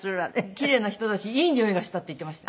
「奇麗な人だしいい匂いがした」って言ってました。